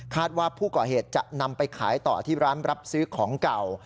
ว่าผู้ก่อเหตุจะนำไปขายต่อที่ร้านรับซื้อของเก่า